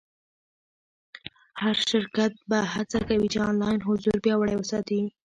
هر شرکت به هڅه کوي چې آنلاین حضور پیاوړی وساتي.